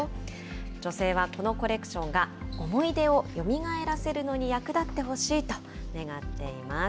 女性はこのコレクションが思い出をよみがえらせるのに役立ってほしいと願っています。